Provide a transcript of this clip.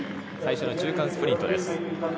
最初の中間スプリントです。